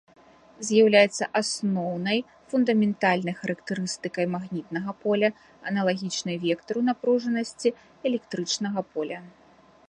З'яўляецца асноўнай фундаментальнай характарыстыкай магнітнага поля, аналагічнай вектару напружанасці электрычнага поля.